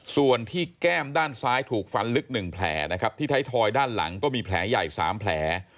ส่วนที่แก้มด้านซ้ายถูกฟันลึก๑แผลนะครับที่ไทยทอยด้านหลังก็มีแผลใหญ่๓แผล